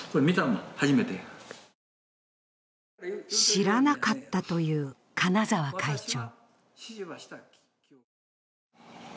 知らなかったという金沢会長。